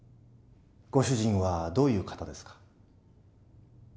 ご主人はどういう方ですか？